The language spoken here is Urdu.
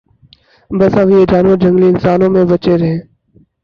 بس اب یہ جانور جنگلی انسانوں سے بچیں رھیں